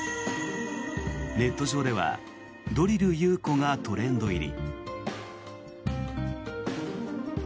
ネット上ではドリル優子がトレンド入り。